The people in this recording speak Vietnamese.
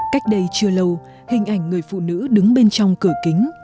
cách đây chưa lâu hình ảnh người phụ nữ đứng bên trong cửa kính